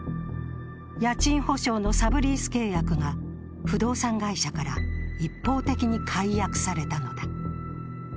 家賃保証のサブリース契約が不動産会社から一方的に解約されたのだ。